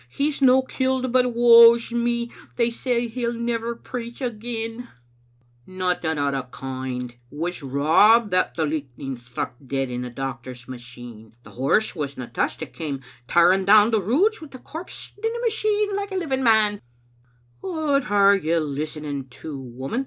He's no killed, but, woe's me! they say he'll never preach again. "" Nothing o' the kind. It was Rob that the lichtning struck dead in the doctor's machine. The horse wasna touched ; it came tearing down the Roods wi' the corpse sitting in the machine like a living man." " What are you listening to, woman?